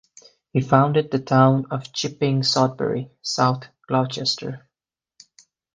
He founded the town of Chipping Sodbury, South Gloucester.